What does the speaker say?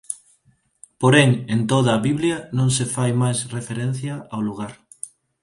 Porén en toda a Biblia non se fai máis referencia ao lugar.